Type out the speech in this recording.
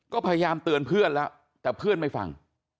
ก็พยายามเตือนเพื่อนแล้วแต่เพื่อนไม่ฟัง